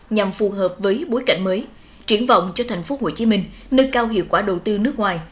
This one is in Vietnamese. nhằm phù hợp với bối cảnh mới triển vọng cho tp hcm nâng cao hiệu quả đầu tư nước ngoài